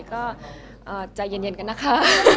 ก็ใจเย็นกันนะคะ